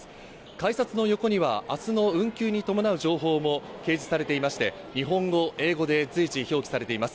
改札の横にはあすの運休に伴う情報も掲示されていまして、日本語、英語で随時表記されています。